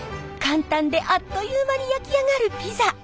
簡単であっという間に焼き上がるピザ。